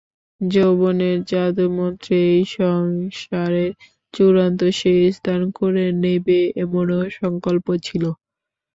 যৌবনের জাদুমন্ত্রে এই সংসারের চূড়ায় সে স্থান করে নেবে এমনও সংকল্প ছিল।